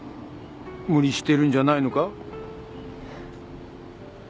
無理してるんじゃないのか？